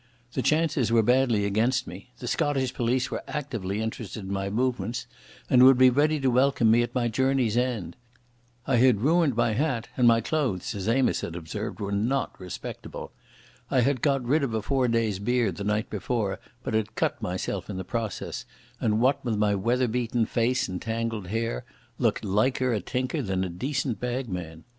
The chances were badly against me. The Scottish police were actively interested in my movements and would be ready to welcome me at my journey's end. I had ruined my hat, and my clothes, as Amos had observed, were not respectable. I had got rid of a four days' beard the night before, but had cut myself in the process, and what with my weather beaten face and tangled hair looked liker a tinker than a decent bagman.